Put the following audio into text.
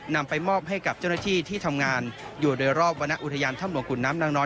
นำไปมอบให้กับเจ้าหน้าที่ที่ทำงานอยู่โดยรอบวรรณอุทยานถ้ำหลวงขุนน้ำนางน้อย